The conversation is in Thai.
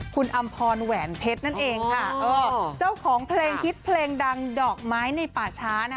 คุณอำพรแหวนเพชรนั่นเองค่ะเออเจ้าของเพลงฮิตเพลงดังดอกไม้ในป่าช้านะคะ